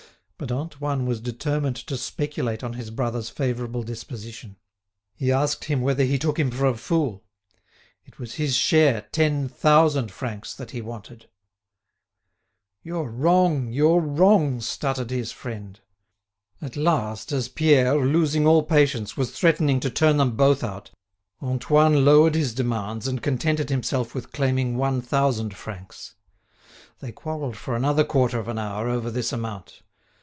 But Antoine was determined to speculate on his brother's favourable disposition. He asked him whether he took him for a fool; it was his share, ten thousand francs, that he wanted. "You're wrong, you're wrong," stuttered his friend. At last, as Pierre, losing all patience, was threatening to turn them both out, Antoine lowered his demands and contented himself with claiming one thousand francs. They quarrelled for another quarter of an hour over this amount.